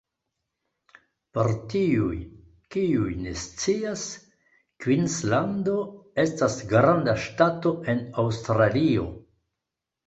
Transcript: Por tiuj, kiuj ne scias, Kvinslando estas granda ŝtato en Aŭstralio.